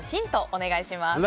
お願いします。